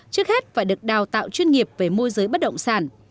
trước hết phải được đào tạo chuyên nghiệp về môi giới bất động sản